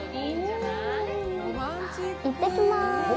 行ってきます！